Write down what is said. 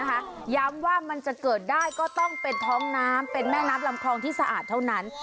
มันเกิดในท้องน้ำที่สะอาดนะคะย้ำว่ามันจะเกิดได้ก็ต้องเป็นท้องน้ำเป็นแม่น้ำลำคลองที่สะอาดเท่านั้น